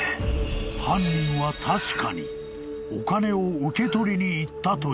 ［犯人は確かにお金を受け取りに行ったという］